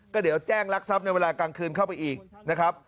ก็เดี๋ยวแจ้งรักทรัพย์ในเวลากลางคืนเข้าไปอีกนะครับ